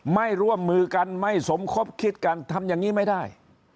ไม่ร่วมมือกันไม่สมคบคิดกันทำอย่างนี้ไม่ได้